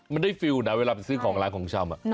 มันได้ฟิลนะเวลาไปซื้อของร้านของชำ